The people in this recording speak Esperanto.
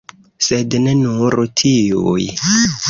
Sed ne nur tiuj.